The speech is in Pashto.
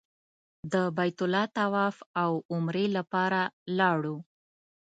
د بیت الله طواف او عمرې لپاره لاړو.